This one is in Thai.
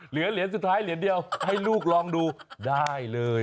เหลือเหรียญสุดท้ายเหรียญเดียวให้ลูกลองดูได้เลย